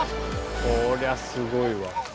こりゃすごいわ。